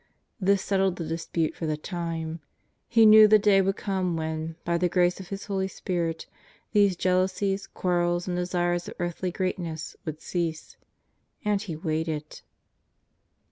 This settled the dispute for the time. He knew the day would come when, by the grace of His Holy Spirit, these jealousies, quarrels and desires of earthly greatness would cease — and He waited.